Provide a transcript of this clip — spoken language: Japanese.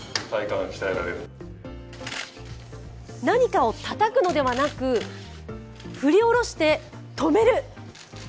何かをたたくのではなく振り下ろして止める。